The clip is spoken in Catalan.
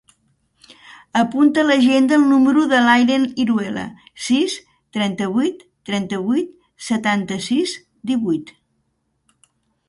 Apunta a l'agenda el número de l'Aylen Iruela: sis, trenta-vuit, trenta-vuit, setanta-sis, divuit.